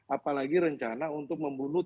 apalagi rencana untuk membunuh